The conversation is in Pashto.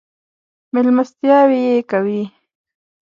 مېلمستیاوې یې کوي.